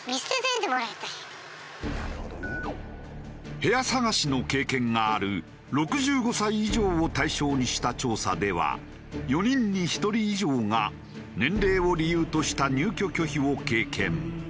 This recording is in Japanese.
部屋探しの経験がある６５歳以上を対象にした調査では４人に１人以上が年齢を理由とした入居拒否を経験。